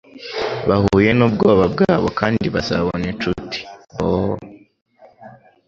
Bahuye n'ubwoba bwabo kandi bazabona inshuti"Boo"